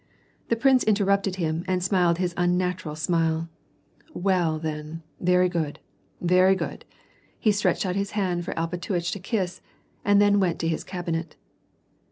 The prince internipted him and smiled his unnatural smile. '^ Well, then, very good, very good." He stretched oat his hand for Alpatuitch to kiss, and then he went to his cabinet.